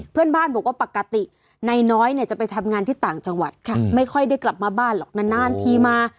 เพื่อนบ้านบอกว่าปกตินายน้อยเนี่ยจะไปทำงานที่ต่างจังหวัดค่ะไม่ค่อยได้กลับมาบ้านหรอกนานทีมา